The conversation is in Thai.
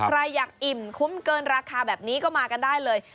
ใครอยากอิ่มคุ้มเกินราคาแบบนี้ก็มากันได้เลย